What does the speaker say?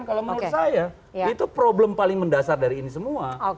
kalau menurut saya itu problem paling mendasar dari ini semua